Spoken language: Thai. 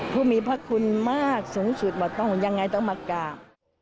ผู้มีพระคุณมากสูงสุดว่าต้องยังไงต้องมากราบ